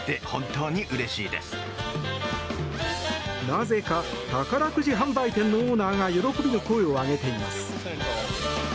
なぜか宝くじ販売店のオーナーが喜びの声を上げています。